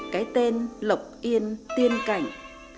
cái tên lộc yên tiên cảnh